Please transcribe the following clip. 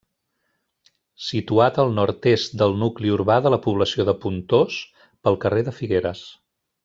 Situat al nord-est del nucli urbà de la població de Pontós, pel carrer de Figueres.